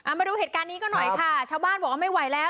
มาดูเหตุการณ์นี้ก็หน่อยค่ะชาวบ้านบอกว่าไม่ไหวแล้ว